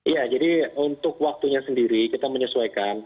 ya jadi untuk waktunya sendiri kita menyesuaikan